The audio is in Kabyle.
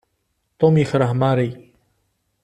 Tom yekreh Mary.